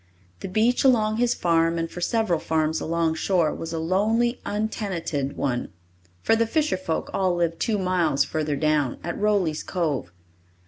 The beach along his farm and for several farms along shore was a lonely, untenanted one, for the fisher folk all lived two miles further down, at Rowley's Cove.